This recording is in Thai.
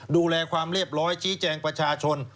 ดูแลความเรียบร้อยชี้แจงประชาชน